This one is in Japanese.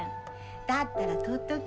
だったら取っとき。